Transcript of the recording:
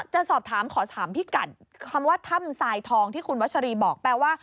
จะสอบถามขอสถามพี่กัด